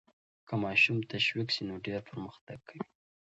که ماشوم تشویق سي نو ډېر پرمختګ کوي.